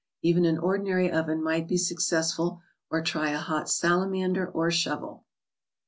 Even an ordinary oven might be successful; or try a hot salamander, or shovel.